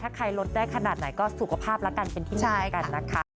ถ้าใครลดได้ขนาดไหนก็สุขภาพแล้วกันเป็นที่หนึ่งแล้วกันนะคะ